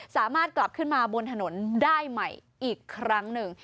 สามารถกลับขึ้นมาบนถนนได้ใหม่อีกครั้งหนึ่ง